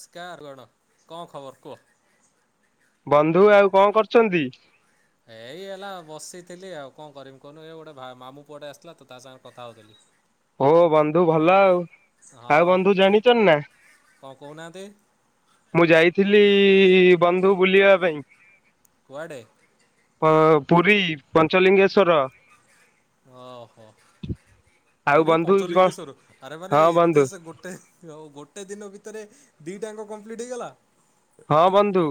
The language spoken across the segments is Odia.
ସ୍କାର୍ ଗଣ କଣ୍ ଖବର୍ କୁହ? ବନ୍ଧୁ ଆଉ କଁ କରୁଚନ୍ତି? ଏଇ ହେଲା ବସିଥିଲି ଆଉ କଣ କରିମି କହୁନୁ ଏ ଗୋଟେ ମାମୁଁ ପୁଅଟେ ଆସିଥିଲା ତ ତା ସାଙ୍ଗେ କଥା ହଉଥିଲି। ଓ ବନ୍ଧୁ ଭଲ ଆଉ। ଆଉ ହଁ ବନ୍ଧୁ ଜାଣିଚନି ନା। କଣ କହୁନାହାନ୍ତି ମୁଁ ଯାଇଥିଲି ବନ୍ଧୁ ବୁଲିବା ପାଇଁ। କୁଆଡ଼େ? ହଁ, ହଁ ପୁରୀ ପଞ୍ଚଲିଙ୍ଗେଶ୍ଵର। ଓହୋ ଆଉ ପୁରୀ ବନ୍ଧୁ କଣ ପଞ୍ଚଲିଙ୍ଗେଶ୍ୱର ଆରେ ମାନେ ହଁ ବନ୍ଧୁ ଏତେ ସେ ଗୋ ଟେ ହଉ ଗୋଟେ ଦିନ ଭିତରେ ଦିଟାଙ୍କ କମ୍ପ୍ଲିଟ ହେଇଗଲା? ହଁ ବନ୍ଧୁ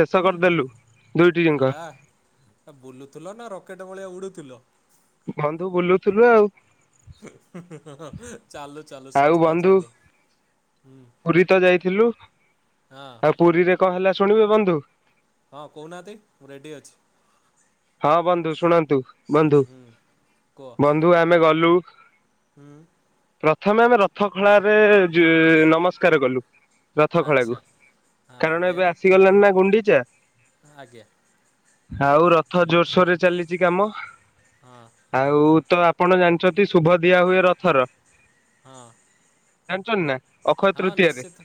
ଶେଷ କରିଦେଲୁ ଦୁଇଟି ଜିଙ୍କ। ଏ ବୁଲୁଥିଲ ନା ରକେଟ୍ ଭଳିଆ ଉଡ଼ୁଥିଲ? ବନ୍ଧୁ ବୁଲୁଥିଲୁ ଆଉ। ଚାଲୁ ଚାଲୁ ଆଉ ସଂସ୍ଥା ବନ୍ଧୁ ଚାଲୁ। ହୁଁ ପୁରୀ ତ ଯାଇଥିଲୁ। ହଁ ଆଉ ପୁରୀରେ କଣ ହେଲା ଶୁଣିବେ ବନ୍ଧୁ? ହଁ କହୁନାହାନ୍ତି ମୁଁ ରେଡ଼ି ଅଛି। ହଁ ବନ୍ଧୁ ଶୁଣନ୍ତୁ ବନ୍ଧୁ। ହୁଁ କୁହ। ବନ୍ଧୁ ଆମେ ଗଲୁ ହୁଁ। ପ୍ରଥମେ ଆମେ ରଥ ଖଳାରେ ନମସ୍କାର କଲୁ ରଥ ଖଳା କୁ। ଆଚ୍ଛା ହଁ କାରଣ ଏବେ ଦେନ୍ ଆସିଗଲାଣି ନା ଗୁଣ୍ଡିଚା। ଆଜ୍ଞା ଆଉ ରଥ ଜୋରସୋର ରେ ଚାଲିଛି କାମ। ହଁ। ଆଉ ତ ଆପଣ ଜାଣିଚନ୍ତି ଶୁଭ ଦିଆ ହୁଏ ରଥର। ହଁ ଜାଣିଛନ୍ତି ନା ଅକ୍ଷୟ ହଁ ତୃତୀୟାରେରେ। ନିଶ୍ଚିତ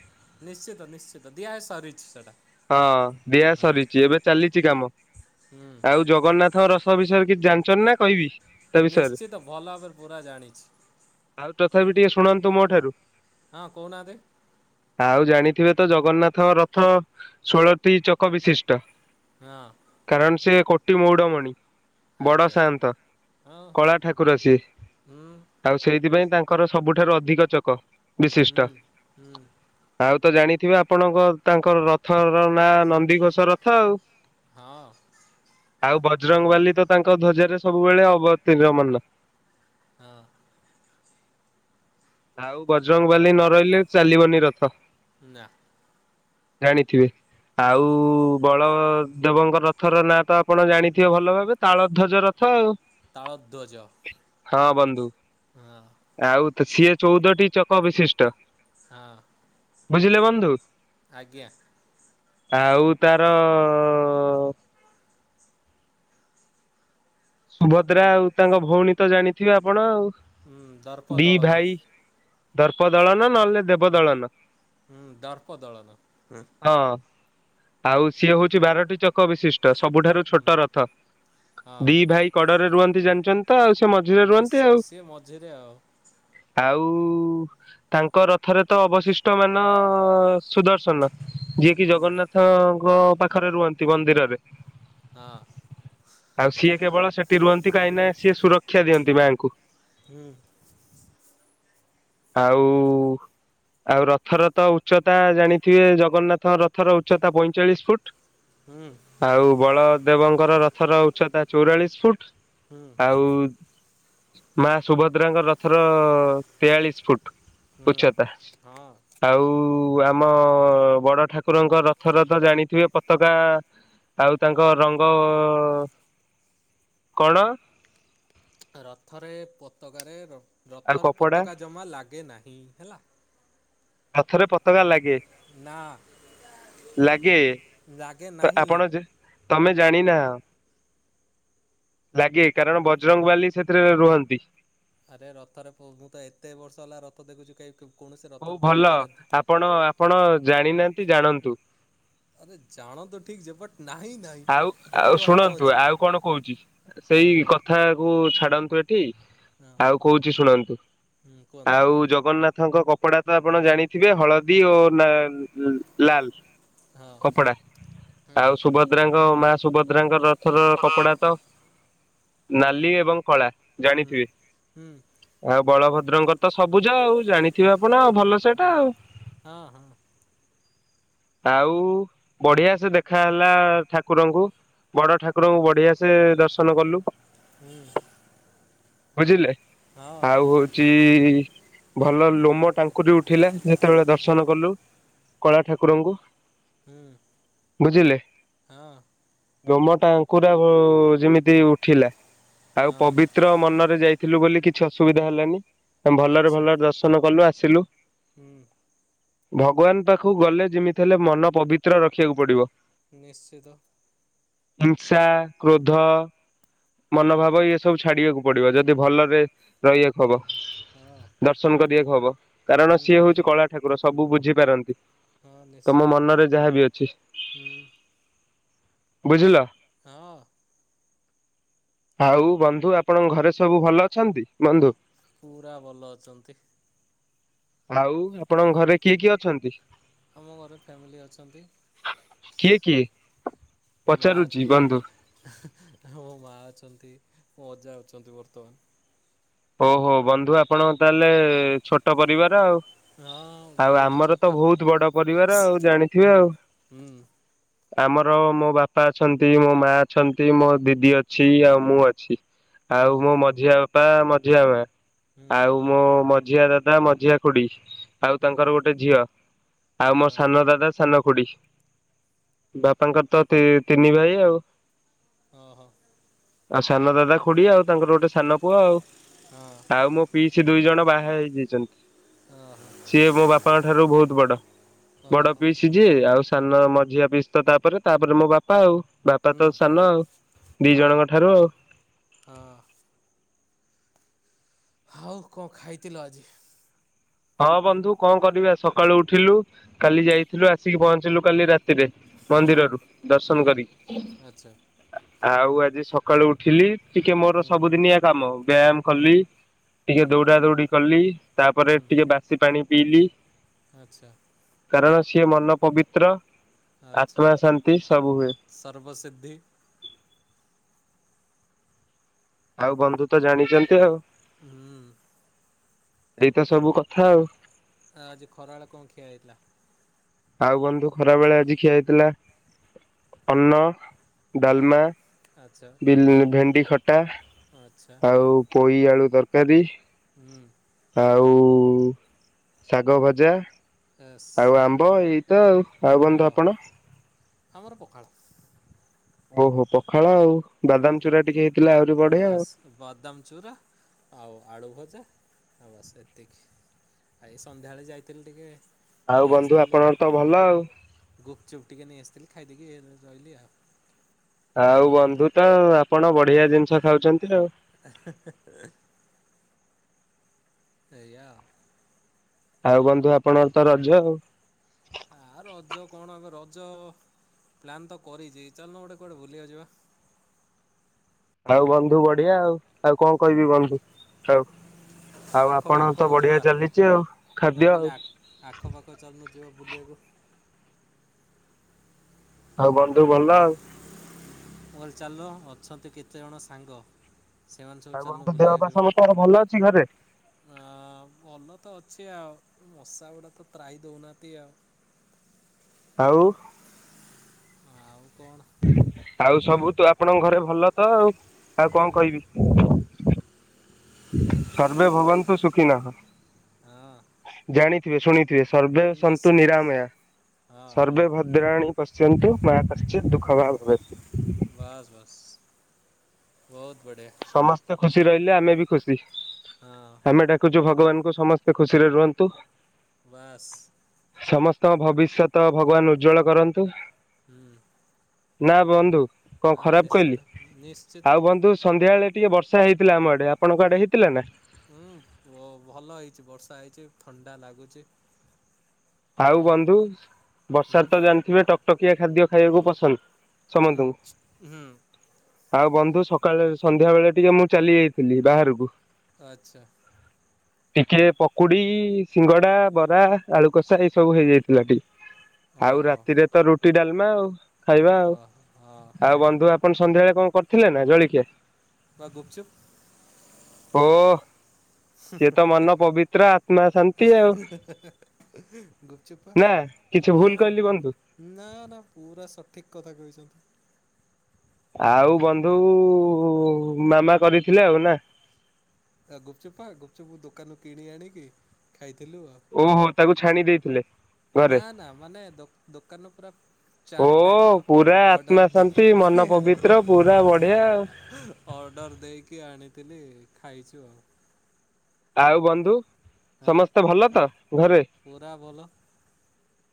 ନିଶ୍ଚିତ ନିଶ୍ଚିତ ଦିଆ ସରିଛି ସେଟା। ହଁ ଦିଆ ସରିଛି ଏବେ ଚାଲିଛି କାମ ହୁଁ ଆଉ ଜଗନ୍ନାଥଙ୍କ ରଥ ବିଷୟରେ କିଛି ଜାଣିଛନ୍ତି ନା କଇବି? ନିଶ୍ଚିତ ଭଲ ଭାବରେ ପୁରା ଜାଣିଛି। ଆଉ ତଥାପି ଟିକେ ଶୁଣନ୍ତୁ ମୋ ଠାରୁ। ହଁ କହୁନାହାନ୍ତି। ଆଉ ଜାଣିଥିବେ ତ ଜଗନ୍ନାଥଙ୍କ ରଥ ଷୋଳଟି ଚକ ବିଶିଷ୍ଟ। ହଁ। କାରଣ ସେ କୋଟି ମଉଡ ମଣି। ବଡ଼ ଆଜ୍ଞା ସାଆନ୍ତ। ହଁ କଳା ଠାକୁର ସିଏ। ହୁଁ ଆଉ ସେଇଥିପାଇଁ ତାଙ୍କର ସବୁଠାରୁ ଅଧିକ ଚକ ହୁଁ ବିଶିଷ୍ଟ। ହୁଁ ଆଉ ତ ଜାଣିଥିବେ ଆପଣଙ୍କ ତାଙ୍କର ରଥ ର ନାଁ ନନ୍ଦିଘୋଷ ରଥ ଆଉ। ହଁ। ଆଉ ବଜରଙ୍ଗବାଲି ତ ତାଙ୍କ ଧ୍ୱଜରେ ସବୁବେଳେ ଅବତୀଣମାନ। ହଁ। ଆଉ ବଜରଙ୍ଗ ବାଲି ନ ରହିଲେ ଚାଲିବନି ରଥ। ନା। ଜାଣିଥିବେ ହୁଁ ଆଉ ବଳ ଦେବଙ୍କ ରଥର ନାଁ ତ ଆପଣ ଜାଣିଥିବେ ଭଲ ଭାବେ ତାଳ ଧ୍ୱଜ ରଥ ଆଉ। ତାଳଧ୍ୱଜ। ହଁ ବନ୍ଧୁ। ହଁ। ଆଉ ତ ସିଏ ଚଉଦଟି ଚକ ବିଶିଷ୍ଟ। ହଁ। ବୁଝିଲେ ବନ୍ଧୁ? ଆଜ୍ଞା। ଆଉ ତାର ସୁଭଦ୍ରା ଆଉ ତାଙ୍କ ଭଉଣୀ ତ ଜାଣିଥିବେ ଆପଣ ଆଉ? ହୁଁ, ଦର୍ପଦଳନ। ଦର୍ପଦଳନ ନହେଲେ ଦେବଦଳନ। ହୁଁ ଦର୍ପଦଳନ ହଁ। ଆଉ ସିଏ ହଉଛି ବାରଟି ଚକ ବିଶିଷ୍ଟ, ସବୁଠାରୁ ଛୋଟ ରଥ। ହଁ ଦି ଭାଇ କଡରେ ରୁହନ୍ତି ଜାଣିଛନ୍ତି ତ ଆଉ, ସିଏ ମଝିରେ ରୁହନ୍ତି ନିଶ୍ଚିତ ଆଉ। ସିଏ ମଝିରେ ଆଉ ଆଉ ତାଙ୍କ ରଥରେ ତ ଅବଶିଷ୍ଟ ମାନ ଅ ସୁଦର୍ଶନ। ଯିଏକି ହୁଁ। ଜଗନ୍ନାଥଙ୍କ ପାଖରେ ରୁହନ୍ତି ମନ୍ଦିରରେ। ହଁ। ଆଉ ସିଏ କେବଳ ସେଠି ରୁହନ୍ତି, କାହିଁନା ସିଏ ସୁରକ୍ଷା ଦିଅନ୍ତି ମାଙ୍କୁ। ହୁଁ। ଆଉ ଆଉ ରଥର ତ ଉଚ୍ଚତା ଜାଣିଥିବେ, ଜଗନ୍ନାଥ ରଥର ଉଚ୍ଚତା ପଇଁଚାଳିଶ ଫୁଟ ହୁଁ। ଆଉ ବଳଦେବଙ୍କର ରଥର ଉଚ୍ଚତା ଚଉରାଳିଶ ଫୁଟ ହୁଁ ଆଉ ମା ସୁଭଦ୍ରାଙ୍କ ରଥର ତେୟାଳିଶ ଫୁଟ ହୁଁ ଉଚ୍ଚତା। ହଁ। ଆଉ ଆମ ବଡ ଠାକୁରଙ୍କ ରଥର ତ ଜାଣିଥିବେ ପତାକା ଆଉ ତାଙ୍କ ରଙ୍ଗ କଣ? ରଥରେ ପତକାରେ ଆଉ ରଥରେ କପଡା ପତାକା ଜମା ଲାଗେ ନାହିଁ ହେଲା। ରଥରେ ପତକା ଲାଗେ। ନା ଲାଗେ, ଲାଗେ ତ ନାହିଁ। ଆପଣ ଯେ ତମେ ଜାଣିନାହଁ। ଲାଗେ, କାରଣ ବଜରଙ୍ଗବାଲି ସେଥିରେ ରୁ-ରୁହନ୍ତି। ଆରେ ରଥରେ ମୁଁ, ମୁଁ ତ ଏତେ ବର୍ଷ ହେଲା ରଥ ଦେଖୁଛି କାଇଁ କୌଣସି ହଉ ରଥରେ ତ ଭଲ ପତକା ଆପଣ ଆପଣ ଜାଣିନାହାଁନ୍ତି ଜାଣନ୍ତୁ। ଆରେ ଜାଣନ୍ତୁ ଠିକ ଯେ ବଟ ନାହିଁ ନାଇଁ ଆଉ ଆଉ ଶୁଣନ୍ତୁ ଆଉ କଣ କହୁଛି, ହଁ ସେଇ କଥାକୁ ଛାଡନ୍ତୁ ଏଠି ହଁ ଆଉ କହୁଛି ଶୁଣନ୍ତୁ। ହୁଁ କୁହନ୍ତୁ ଆଉ ଜଗନ୍ନାଥଙ୍କ କପଡା ତ ଆପଣ ଜାଣି ଥିବେ ହଳଦୀ ଓ ନାଲ ଲାଲ ହଁ କପଡ଼ା ହୁଁ ଆଉ ସୁବଧ ଭଦ୍ରାଙ୍କ ମା ସୁଭଦ୍ରାଙ୍କ ରଥର କପଡ଼ା ତ ନାଲି ଏବଂ କଳା ହୁଁ। ଜାଣିଥିବେ। ହୁଁ ଆଉ ବଳଭଦ୍ରଙ୍କର ତ ସବୁଜ ଆଉ ଜାଣିଥିବେ ଆପଣ ଆଉ ଭଲସେ ହଁ ସେଟା ଆଉ। ହଁ ହଁ ଆଉ ବଢିଆ ସେ ଦେଖା ହେଲା ଠାକୁରଙ୍କୁ, ବଡ ଠାକୁରଙ୍କୁ ବଢିଆ ସେ ଦର୍ଶନ କଲୁ ହୁଁ। ବୁଝିଲେ, ହଁ ଆଉ ହ ଉଚି ଭଲ ଲୋମ ଟାଙ୍କୁରି ଉଠିଲା, ଯେତେବେଳେ ଦର୍ଶନ କଲୁ କଳା ଠାକୁରଙ୍କୁ। ହୁଁ ବୁଝିଲେ? ହଁ। ଲୋମଟାଙ୍କୁରା ବୁ ଯେମିତି ଉଠିଲା। ଆଉ ହଁ। ପବିତ୍ର ମନରେ ଯାଇଥିଲୁ ବୋଲି କିଛି ଅସୁବିଧା ହେଲାନି। ଭଲରେ ଆଚ୍ଛା ଭଲରେ ଦର୍ଶନ କଲୁ ଆସିଲୁ। ହୁଁ। ଭଗବାନ ପାଖକୁ ଗଲେ ଯେମିତି ହେଲେ ମନ ପବିତ୍ର ରଖିବାକୁ ପଡିବ। ନିଶ୍ଚିତ। ହିଂସା କ୍ରୋଧ ହୁଁ ମନୋଭାବ ଏଇ ସବୁ ଛାଡିବାକୁ ପଡିବ ଯଦି ଭଲରେ ରହିବାକୁ ହବ। ହଁ ଦର୍ଶନ କରିବାକୁ ହବ କାରଣ ହୁଁ ସିଏ ହୋଉଚି କଳା ଠାକୁର ସବୁ ବୁଝିପାରନ୍ତି। ହଁ ତମ ନିଶ୍ଚିତ ମନରେ ଯାହାବି ଅଛି ହୁଁ ବୁଝିଲ। ହଁ। ଆଉ ବନ୍ଧୁ ଆପଣଙ୍କ ଘରେ ସବୁ ଭଲ ଅଛନ୍ତି ବନ୍ଧୁ। ପୁରା ଭଲ ଅଛନ୍ତି। ଆଉ ଆପଣଙ୍କ ଘରେ କିଏ କିଏ ଅଛନ୍ତି? ଆମ ଘରେ ଫ୍ୟାମିଲି ଅଛନ୍ତି। କିଏ କିଏ ମୋ ମା ପଚାରୁଚି ଅଛନ୍ତି। ବନ୍ଧୁ। ମୋ ମା ଅଛନ୍ତି ମୋ ଅଜା ଅଛନ୍ତି ବର୍ତ୍ତମାନ। ଓ ହୋ ବନ୍ଧୁ ଆପଣ ତାହେଲେ ଛୋଟ ପରିବାର ଆଉ। ହଁ ଆଉ ବହୁତ ଆମର ଛୋଟ ତ ବୋହୁତ ବଡ ପରିବାର ଆଉ ଜାଣିଥିବେ ହୁଁ ଆଉ। ହୁଁ ଆମର ମୋ ବାପା ଅଛନ୍ତି ମୋ ମା ଅଛନ୍ତି ମୋ ଦିଦି ଅଛି ଆଉ ମୁଁ ଅଛି। ଆଉ ମୋ ଓହୋ ମଝିଆ ବାପା, ମଝିଆ ମା ହୁଁ ଆଉ ମୋ ମଝିଆ ଦାଦା, ମଝିଆ ଖୁଡି। ଆଉ ହୁଁ ତାଙ୍କର ଗୋଟେ ଝିଅ ଆଉ ମୋ ହଁ ସାନ ଦାଦା ସାନ ଖୋଡି। ବାପାଙ୍କର ତ ତିନି ଭାଇ ଆଉ। ହଁ, ହଁ। ଆଉ ସାନ ଦାଦା ଖୋଡି ଆଉ ତାଙ୍କର ଗୋଟେ ସାନ ପୁଅ ଆଉ। ହଁ। ଆଉ ମୋ ପିଇସି ଦୁଇ ଜଣ ବାହା ହେଇଯାଇଛନ୍ତି, ଓହୋ ସିଏ ମୋ ବାପାଙ୍କ ଠାରୁ ବୋହୁତ ବଡ। ବଡ ଓହୋ ପିଇସି ଯିଏ ଆଉ ସାନ ମଝିଆ ପିସ୍ ତ ତାପରେ ତାପରେ ମୋ ବାପା ଆଉ ବାପା ହୁଁ ତ ସାନ ଆଉ। ଦି ଜଣ ହଁ ମାତ୍ର। ହଁ। ଆଉ କଣ ଖାଇଥିଲ ଆଜି? ହଁ ବନ୍ଧୁ କଣ କରିବା ସକାଳୁ ଉଠିଲୁ କାଲି ହୁଁ ଯାଇଥିଲୁ ଆସିକି ପହଞ୍ଚିଲୁ କାଲି ରାତି ରେ ହୁଁ ମନ୍ଦିରରୁ ହୁଁ ଦର୍ଶନ କରି। ଆଚ୍ଛା। ଆଉ ଆଜି ସକାଳୁ ଉଠିଲି। ଟିକେ ମୋର ହୁଁ ସବୁଦିନିଆ କାମ ବ୍ୟାୟାମ ହୁଁ କଲି ହୁଁ ଟିକେ ଦୌଡା ଦୌଡି କଲି। ତାପରେ ହୁଁ ଟିକେ ବାସି ପାଣି ପିଇଲି। ଆଚ୍ଛା। କାରଣ ସିଏ ମନ ପବିତ୍ର ଆଚ୍ଛା ଆତ୍ମା ଶାନ୍ତି ସବୁ ହୁଏ। ସର୍ବସିଦ୍ଧି। ଆଉ ବନ୍ଧୁ ତ ଜାଣିଚନ୍ତି ଆଉ। ହୁଁ ଏଇତ ସବୁ କଥା ଆଉ। ଆଉ ଆଜି ଖରାବେଳେ କଣ ଖିଆ ହେଇଥିଲା? ଆଉ ବନ୍ଧୁ ଖରା ବେଳେ ଆଜି ଖିଆ ହେଇଥିଲା ଅନ୍ନ ହଁ ଡାଲମା, ଆଚ୍ଛା ବିଲ ଭେଣ୍ଡି ଖଟା ଆଚ୍ଛା ଆଉ ପୋଇ ଆଳୁ ତରକାରୀ। ହୁଁ। ଆଉ ଶାଗ ଭଜା। ଏସ୍ ଆଉ ଆମ୍ବ ଏଇତ ଆଉ ଆଉ ବନ୍ଧୁ ହଁ ଆପଣ। ଆମର ପଖାଳ। ଓହୋ ପଖାଳ ଆଉ ବାଦାମ ଚୁରା ଟିକେ ହେଇଥିଲା ଆହୁରି ବଢିଆ ଆଉ। ବଦାମ ଚୁରା ଆଉ ଆଳୁ ଭଜା ଆଉ ବାସ୍ ଏତିକି। ଆ ଏଇ ସନ୍ଧ୍ୟାବେଳେ ଯାଇଥିଲି ଟିକେ। ଆଉ ନେଇ ବନ୍ଧୁ ଆସଥିଲି ଆପଣଙ୍କର ତ ଭଲ ଆଉ ଗୁପଚୁପ ଟିକେ ନେଇ ଆସିଥିଲି ଖାଇଦେଇକି ଏ ର ରହିଲି ଆଉ। ଆଉ ବନ୍ଧୁ ତ ଆଉ ଆପଣ ବଢିଆ ଜିନିଷ ଖାଉଚନ୍ତି ଆଉ। [inaudible] ସେଇଆ। ଆଉ ବନ୍ଧୁ ଆପଣଙ୍କର ତ ରଜ ଆଉ। ଆ ରଜ କଣ ଏବେ ରଜ ପ୍ଲାନ୍ ତ କରିଚି ଚାଲୁନ ଗୋଟେ କୁଆଡେ ବୁଲିିବାକୁ ଯିବା। ଆଉ ବନ୍ଧୁ ବଢିଆ ଆଉ ଆଉ କଣ କହିବି ବନ୍ଧୁ ହୋଉ। ଆଉ ଆପଣଙ୍କ ତ ଆଖପାଖକୁ ବଢିଆ ଯିବା। ଚାଲିଚି ଆଉ ମୁଁ ଖାଦ୍ୟ କହିଲି ଆଉ। ଆଖପାଖ ଚାଲୁନ ଯିବ ବୁଲିବାକୁ। ଆଉ ବନ୍ଧୁ ଭଲ ଆଉ। ମୁଁ କହିଲି ଚାଲ ଅଛନ୍ତି କେତେଜଣ ସାଙ୍ଗ। ସେମାନେ ସବୁ ଆଉ ଚାଲୁନ ବନ୍ଧୁ ବୁଲିିବା ଦେହ ପା ଯିବା। ସମସ୍ତଙ୍କର ଭଲ ଅଛି ଘରେ ଆ ଭଲତ ଅଛି ଆଉ ମଶାଗୁଡ଼ା ତ ତ୍ରାହି ଦୋଉନାହାନ୍ତି ଆଉ। ଆଉ। ଆଉ କଣ? ଆଉ ସବୁ ତୁ ଆପଣଙ୍କ ଘରେ ଭଲ ତ ଆଉ, ଆଉ କଣ ହୁଁ କହିବି? ସର୍ବେ ଭବନ୍ତୁ ସୁଖିନଃ। ହଁ। ଜାଣିଥିବେ ଶୁଣିଥିବେ ସର୍ବେ ସନ୍ତୁ ନିଶ୍ଚିତ ନିରାମୟା ହଁ ସର୍ବେ ଭଦ୍ରାଣୀ ପଶ୍ୟନ୍ତୁ ମା କଶ୍ଚିତ୍ ଦୁଃଖ ବା ଭବେତ୍। ବାସ୍ ବାସ୍ ବୋହୁତ ବଢ଼ିଆ। ସମସ୍ତେ ଖୁସି ରହିଲେ ଆମେ ବି ଖୁସି ହଁ ଆମେ ଡାକୁଚୁ ଭ ଭଗବାନଙ୍କୁ ସମସ୍ତେ ଖୁସିରେ ରୁହନ୍ତୁ। ବାସ୍ ସମସ୍ତଙ୍କ ଭବିଷ୍ୟତ ଭଗବାନ ଉଜ୍ବଳ କରନ୍ତୁ। ହୁଁ। ନା ବନ୍ଧୁ କଣ ହଁ ଖରାପ ନିଶ୍ଚିତ କହିଲି ନିଶ୍ଚିତ ଆଉ ବନ୍ଧୁ ସନ୍ଧ୍ୟାବେଳେ ଟିକେ ବର୍ଷା ହେଇଥିଲା ଆମ ଆଡ଼େ ଆପଣଙ୍କ ଆଡ଼େ ହେଇଥିଲା ନା? ଉଁ ୱ ଭଲହେଇଚି ବର୍ଷା ହେଇଚି ଥଣ୍ଡା ଲାଗୁଚି। ଆଉ ବନ୍ଧୁ ବର୍ଷା ହୁଁ ତ ଜାଣିଥିବେ ଟକଟକିଆ ଖାଦ୍ୟ ଖାଇବାକୁ ପସନ୍ଦ। ହୁଁ ସମନ୍ତଙ୍କୁ ହୁଁ ଆଉ ବନ୍ଧୁ ସକାଳେ ସନ୍ଧ୍ୟାବେଳେ ଟିକେ ମୁଁ ଚାଲିଯାଇଥିଲି ବାହାରକୁ। ଆଚ୍ଛା। ଟିକିଏ ପକୁଡି ସିଙ୍ଗଡା ବରା ଆଳୁ କଷା ଏଇସବୁ ହେଇଯାଇଥିଲା ଟି ଆଉ ଓହୋ ରାତିରେ ତ ରୁଟି ଡାଲମା ଆଉ। ଖାଇବା ଆଉ ଓ ହଁ। ଆଉ ବନ୍ଧୁ ଆପଣ ସନ୍ଧ୍ୟାବେଳେ କଣ କରିଥିଲେ ନା ଜଳିକିଆ? ବା ଗୁପଚୁପ୍। ଓ ସିଏ ତ ମନ ପବିତ୍ର ଆତ୍ମା ଶାନ୍ତି ଆଉ [inaudible] ଗୁପଚପ୍ ପା ନା କିଛି ଭୁଲ ଉଁ। କହିଲି ବନ୍ଧୁ ନା ନା ପୁରା ସଠିକ୍ କଥା କହିଚନ୍ତି। ଆଉ ବନ୍ଧୁ ଉ ମାମା କରିଥିଲେ ଆଉ ନା। ଗୁପଚୁପ୍ ପା ଗୁପଚୁପ ଦୋକାନରୁ କିଣି ଆଣିକି ଖାଇଥିଲୁ ଓହୋ ତାକୁ ଆଉ। ଛାଣି ଦେଇଥିଲେ ଘରେ ନା ନା ମାନେ ଦୋ ଦୋକାନର ପୁରା ଓ ଚାଟ ଟାଇପର ପୁରା ଆତ୍ମା ଅର୍ଡର ଶାନ୍ତି ମନ ଦେଇକି ପବିତ୍ର ପୁରା ବଢିଆ ଆଉ ଆଉ। ଅର୍ଡ଼ର ଦେଇକି ଆଣିଥିଲି ଖାଇଛୁ ଆଉ। ଆଉ ବନ୍ଧୁ ଆଁ ସମସ୍ତେ ଭଲ ତ ଘରେ? ପୁରା ଭଲ।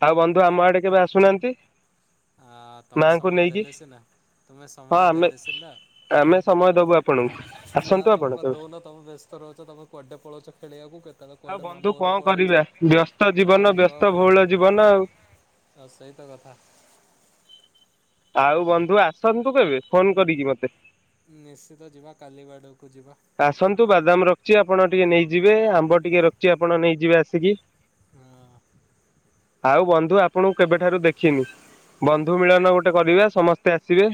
ଆଉ ବନ୍ଧୁ ଆମ ଆଡେ କେବେ ଆସୁନାହାନ୍ତି। ଆ ତମେ ମାଆଙ୍କୁ ସମୟ ନେଇକି ଦେଲେ ସିନା ତମେ ହଁ ସମୟ ଦେଲେ ସିନା। ଙ୍କୁ ଆସନ୍ତୁ ଆପଣ କେ ବେସ୍ତରେ ଅଛ, ତମେ କୁଆଡ଼େ ପଳଉଚ ଖେଳିବାକୁ ଆଉ ବନ୍ଧୁ କଣ କରିବା ବ୍ୟସ୍ତ ଜୀବନ ବ୍ୟସ୍ତ କେ ବହୁଳ [inaudible] ଜୀବନ ଆଉ। ଆଉ ସେଇତ କଥା। ଆଉ ବନ୍ଧୁ, ଆସନ୍ତୁ କେବେ ଫୋନ୍‌ କରିକି ମତେ। ନିଶ୍ଚିତ ଯିବା, କାଲିି ବାଡ଼କୁ ଯିବା। ଆସନ୍ତୁ ବାଦାମ୍ ରଖ୍ଚି ଆପଣ ଟିକେ ନେଇ ଯିବେ, ଆମ୍ବ ଟିକେ ରଖ୍ଚି ଆପଣ ନେଇ ଯିବେ ଆସିକି। ହଁ ଆଉ ବନ୍ଧୁ, ଆପଣଙ୍କୁ କେବେ ଠାରୁ ଦେଖିନି। ବନ୍ଧୁ ମିଳନ ଗୋ କରିବା, ସମସ୍ତେ ଆସିବେ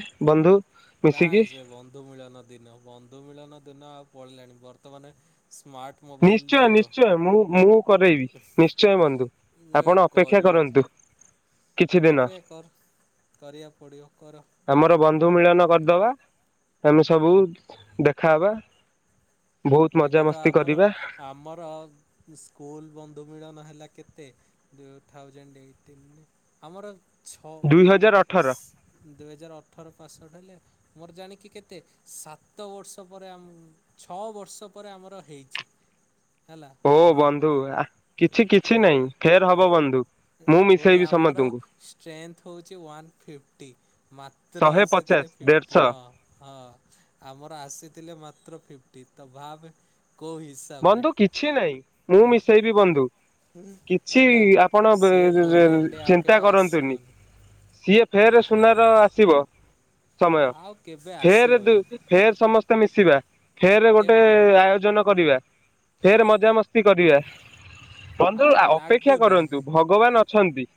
ମିଶିକି କାଇଁ ସେ ବନ୍ଧୁ ମିଳନ ଦିନ, ବନ୍ଧୁ ମିଳନ ଦିନ ଆଉ ଲାଣି। ବର୍ତ୍ତମାନେ ସ୍ମାର୍ଟ ନିଶ୍ଚୟ ମୋବାଇଲ୍‌ ଯୁଗ। ନିଶ୍ଚୟ ମୁଁ ମୁଁ କରେଇବି ନିଶ୍ଚୟ ବନ୍ଧୁ ଆପଣ ଅପେକ୍ଷା କରନ୍ତୁ। କିଛି ଦିନ [inaudible] ଆମର ବନ୍ଧୁ ମିଳନ କର୍ଦବା, ଆମେ ସବୁ ଦେଖାହବା। ବହୁତ ବିଗତ ମଜାମସ୍ତି ଆମର କରିବା ଆମର ସ୍କୁଲ୍‌ ବନ୍ଧୁ ମିଳନ ହେଲା। କେତେ ଥାଉଜେଣ୍ଟ୍ ଏଇଟିନ୍‌ରେ ଆମର ଛ ଦୁଇ କେତେ ହଜାର ଅଠର ଦୁଇ ହଜାର୍ ଅଠର ପାସ୍‌ ଆଉଟ୍ ହେଲେ ମୋର ଜାଣିକି କେତେ? ସାତ ବର୍ଷ ପରେ ଛଅ ବ ପରେ ଆମର ହେଇଛି। ଭାବେ ବନ୍ଧୁ କିଛି କିଛି ନାହିଁ, ଫେର୍ ହବ ବନ୍ଧୁ। ମୁଁ ଫୁଣି ମିଶେଇବି ଆମର ସମସ୍ତଙ୍କୁ ଷ୍ଟ୍ରେନ୍‌ଥ୍ ହଉଚି ୱାନ୍ ଫିଫ୍ଟି ତ୍ର ଶହେ ପଚାଶ ଆସିଥିଲେ ଫିପ୍ଟି ଦେଢଶହ ହଁ ହଁ। ଆମର ଆସିଥିଲେ ମାତ୍ର ଫିପ୍ଟି। ତ ଭାବେ କଉ ହି ବନ୍ଧୁ କିଛି ନାହିଁ, ମୁଁ ମିଶେଇବି ବନ୍ଧୁ। କିଛି ହେଲା ଆପଣ ସେ ଗୋଲ୍ଡେନରେ ଆଉ ଚିନ୍ତା କେବେ କରନ୍ତୁନି। ଆସିବନି। ସିଏ ଫେରେ ସୁନାର ଆସିବ ସମୟ। ଆଉ କେବେ ଆସିବନି ଫେର୍ ସମସ୍ତେ ମିଶିବା, ଫେରେ ଗୋଟେ କେବେ ଆୟୋଜନ କରିବା। ଫେରେ ମଜାମସ୍ତି କରିବା। ବନ୍ଧୁ ଆଉ ଅପେକ୍ଷା ଲାଗୁନି। କରନ୍ତୁ ଭଗବାନ୍‌ ଅଛନ୍ତି।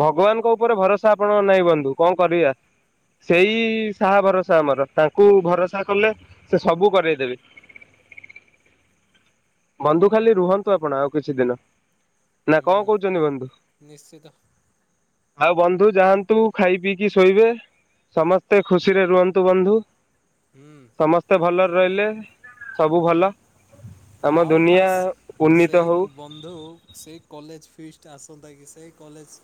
ଭଗବାନଙ୍କ ଉପରେ ଭରସା ଆପଣ ନାହିଁ ବନ୍ଧୁ, କ କରିବା? ସେଇ ସାହା ଭରସା ଆମର, ତାଙ୍କୁ ଭରସା କଲେ ସେ ସବୁ କରେଇ ଦେବେ। ବନ୍ଧୁ ଖାଲି ରୁହନ୍ତୁ ଆପଣ ଆଉ କିଛି ଦିନ। ନା ଙ୍କ ହୁଁ କହୁଚନ୍ତି ବନ୍ଧୁ? ନିଶ୍ଚିତ ଆଉ ବନ୍ଧୁ ଯାଆନ୍ତୁ, ଖାଇ ପିଇକି ଶୋଇବେ। ସମସ୍ତେ ଖୁସିରେ ରୁହନ୍ତୁ ବନ୍ଧୁ। ହଁ ସମସ୍ତେ ଭଲରେ ରଇଲେ ସବୁ ଭଲ। ଆଉ ଦୁନିଆ ଖାସ୍ ଉନ୍ନୀତ ହଉ। ସେଇ ବନ୍ଧୁ ସେଇ କଲେଜ୍‌ ଫିସ୍ ଟା ଆସନ୍ତା କି? ସେଇ କଲେଜ